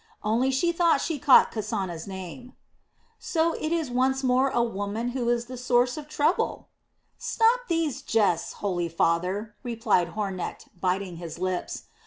Only she thought she caught Kasana's name." "So it is once more a woman who is the source of the trouble." "Stop these jests, holy father," replied Hornecht, biting his lips.